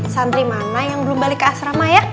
santri mana yang belum balik ke asrama ya